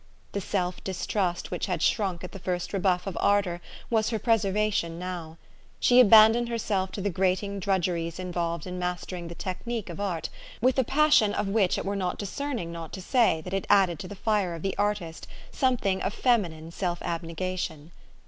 The self distrust which had shrunk at the first rebuff of ardor was her preserva tion now. She abandoned herself to the grating drudgeries involved in mastering the technique of art with a passion of which it were not discerm'ng not to say that it added to the fire of the artist something of feminine self abnegation.